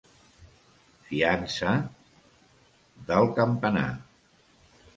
Fiança... del campanar.